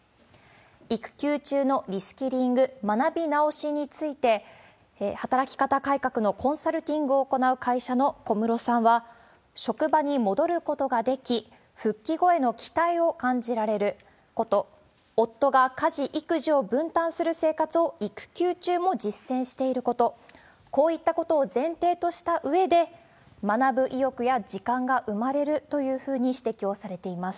育休中のリスキリング・学び直しについて、働き方改革のコンサルティングを行う会社の小室さんは、職場に戻ることができ、復帰後への期待を感じられること、夫が家事、育児を分担する生活を育休中も実践していること、こういったことを前提としたうえで、学ぶ意欲や時間が生まれるというふうに指摘をされています。